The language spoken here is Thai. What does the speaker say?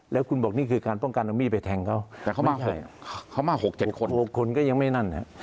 แล้วคุณบอกนี่คือการป้องกันเอามีดไปแทงเขาแต่เขามาเขามา๖๗คน๖คนก็ยังไม่นั่น